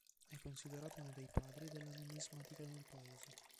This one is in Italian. È considerato uno dei "padri" della numismatica nel paese.